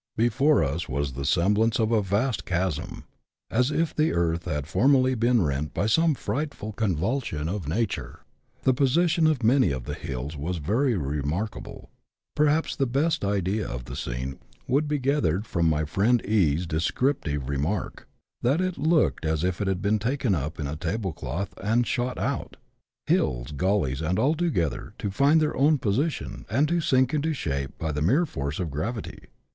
Before us was the semblance of a vast chasm, as if the earth had formerly been rent by some frightful convulsion of nature. The position of many of the hills was very remark able. Perhaps the best idea of the scene would be gathered from my friend E 's descriptive remark, that " it looked as if it had been taken up in a table cloth and shot out, hills, gullies, and all together, to find their own position, and to sink into shape by the mere force of gravity."